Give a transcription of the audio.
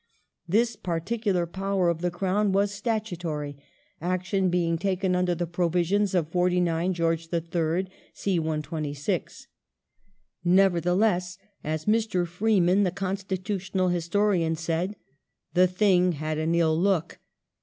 This particular power of the Crown was statutory, action being taken under the provisions of 49 George III. c. 126. Nevertheless, as Mr. Freeman, the Constitutional historian said, " the thing had an ill look.